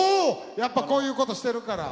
やっぱこういうことしてるから。